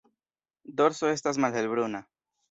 Dorso estas malhelbruna.